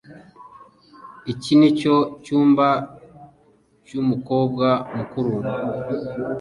Iki nicyo cyumba cy' umukobwa mukuru